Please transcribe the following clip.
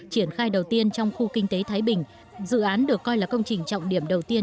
triển khai đầu tiên trong khu kinh tế thái bình dự án được coi là công trình trọng điểm đầu tiên